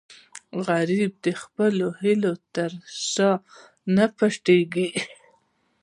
غریب د خپلو هیلو تر شا نه پاتې کېږي